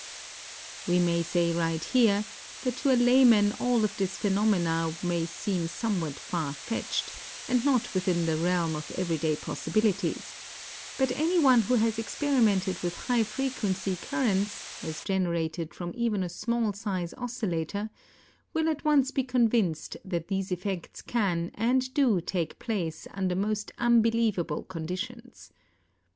We may say right here, that to a layman all of this phenomena may seem somewhat far fetched, and not within the realm of everyday possibilities, but anyone who has experimented with high frequency currents, as generated from even a small size oscillator, will at once be convinced that these effects can and do take place under most unbelievable condi tions.